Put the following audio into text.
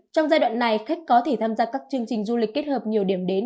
trong giai đoạn này khách có thể tham gia các chương trình du lịch kết hợp nhiều điểm đến